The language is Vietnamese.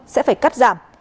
sẽ phải cắt giảm